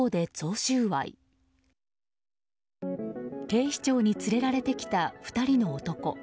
警視庁に連れられてきた２人の男。